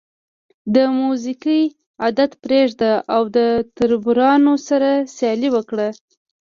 د موزیګي عادت پرېږده او تربورانو سره سیالي وکړه.